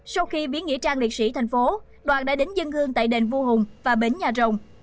sau khi biến nghĩa trang liệt sĩ thành phố đoàn đã đến dân hương tại đền vua hùng và bến nhà rồng